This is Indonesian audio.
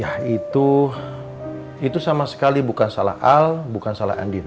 ya itu sama sekali bukan salah al bukan salah andi